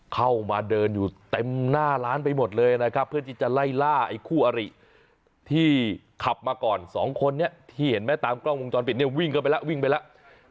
เข้ามาเดินอยู่เต็มหน้าร้านไปหมดเลยนะครับเพื่อที่จะไล่ล่าไอ้คู่อริที่ขับมาก่อนสองคนนี้ที่เห็นไหมตามกล้องวงจรปิดเนี่ยวิ่งเข้าไปแล้ววิ่งไปแล้ว